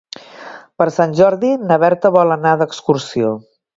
Per Sant Jordi na Berta vol anar d'excursió.